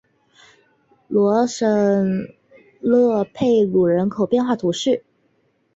罗什勒佩鲁人口变化图示